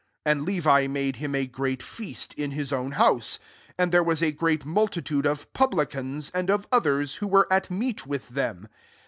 S9 And Levi made him a great feast, in his own house : and there was a great multi tode of publicans> and of others, who were at meat with them.